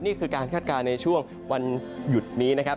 นี่คือการคาดการณ์ในช่วงวันหยุดนี้นะครับ